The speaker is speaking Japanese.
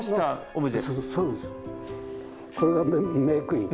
これがメークイン。